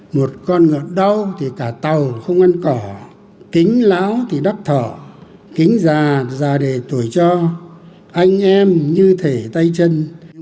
một con ngọt đau thì cả tàu không ăn cỏ kính láo thì đắp thỏ kính già già để tuổi cho anh em như thể tay chân